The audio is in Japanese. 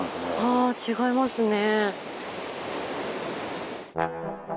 ああ違いますね。